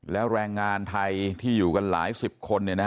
แล้วแรงงานไทยที่อยู่กันหลายสิบคน